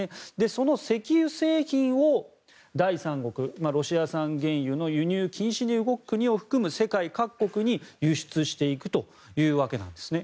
その石油製品を第三国ロシア産原油の輸入禁止に動く国を含む世界各国に輸出していくというわけです。